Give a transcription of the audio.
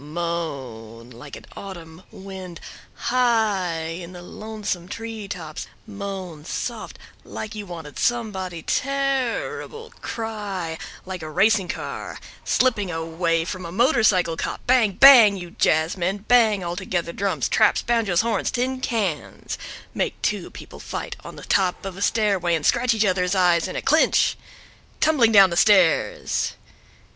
Moan like an autumn wind high in the lonesome tree tops, moan soft like you wanted somebody terrible, cry like a racing car slipping away from a motorcycle cop, bang bang! you jazzmen, bang altogether drums, traps, banjoes, horns, tin cans—make two people fight on the top of a stairway and scratch each other's eyes in a clinch tumbling down the stairs.